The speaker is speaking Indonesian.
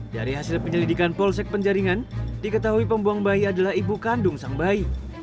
dari hasil penyelidikan polsek penjaringan diketahui pembuang bayi adalah ibu kandung sang bayi